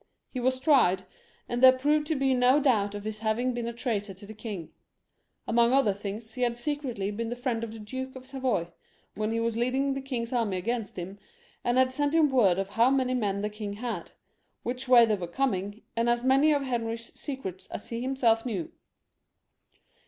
He was tried, and there proved to be no doubt of his having been a traitor to the king ; among other things, he had secretly been the friend of the Duke of Savoy, when he was leading the king's army against him, and had sent him word of how many men the king had, which way they were coming, and as many of Henry's secrets as he himself knew.